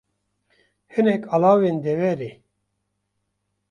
Hinek alawên deverê